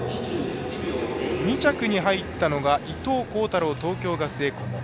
２着に入ったのが伊藤孝太郎東京ガスエコモ。